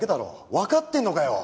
わかってるのかよ！